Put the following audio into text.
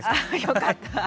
よかった。